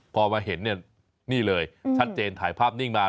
พอมาเห็นเนี่ยนี่เลยชัดเจนถ่ายภาพนิ่งมา